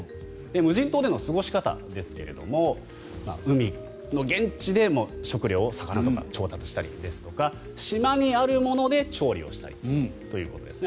無人島での過ごし方ですが海の現地で食料、魚とか調達したり島にあるもので調理をしたりということです。